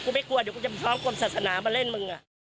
ไม่กลัวเดี๋ยวกูจะพร้อมคนศาสนามาเล่นมึง